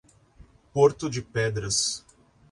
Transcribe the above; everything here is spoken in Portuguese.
Porto de Pedras